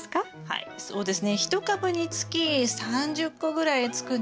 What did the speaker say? はいそうですね。